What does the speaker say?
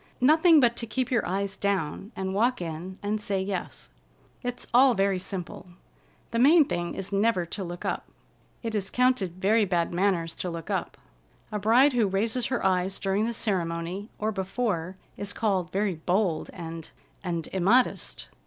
Nothing but to keep your eyes down and walk in and say yes. It's all very simple. The main thing is never to look up. It is counted very bad manners to look up. A bride who raises her eyes during the ceremony, or before, is called very bold and—and immodest!"